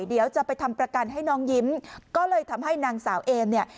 เดี๋ยวจะไปทำประกันให้น้องยิ้มก็เลยทำให้นางสาวเอมเนี่ย